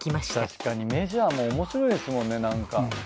確かにメジャーもおもしろいですもんねなんか。